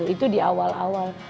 itu di awal awal